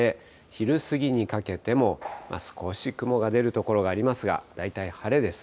昼過ぎにかけても、少し雲が出る所がありますが、大体晴れです。